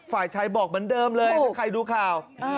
ฝ่ายชายบอกเหมือนเดิมเลยถ้าใครดูข่าว